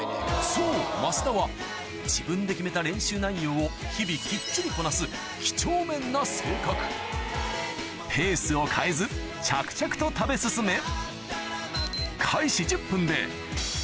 そう益田は自分で決めた練習内容を日々きっちりこなす几帳面な性格ペースを変えず着々と食べ進めに到達